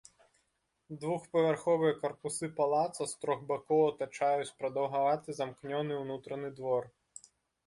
Двухпавярховыя карпусы палаца з трох бакоў атачаюць прадаўгаваты замкнёны ўнутраны двор.